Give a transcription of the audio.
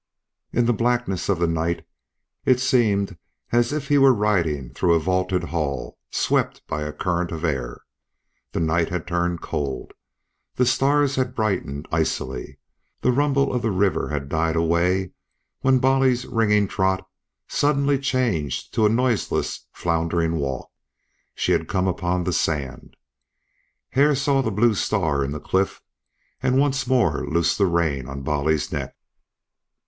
In the blackness of the night it seemed as if he were riding through a vaulted hall swept by a current of air. The night had turned cold, the stars had brightened icily, the rumble of the river had died away when Bolly's ringing trot suddenly changed to a noiseless floundering walk. She had come upon the sand. Hare saw the Blue Star in the cliff, and once more loosed the rein on Bolly's neck.